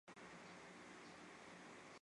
北宋著名画家。